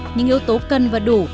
những yếu tố cần và đủ